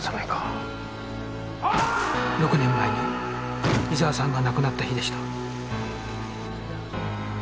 ６年前に伊沢さんが亡くなった日でした